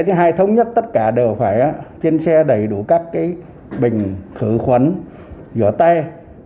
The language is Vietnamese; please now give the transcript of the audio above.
thứ hai thống nhất tất cả đều phải trên xe đầy đủ các bình khử khuẩn rửa tay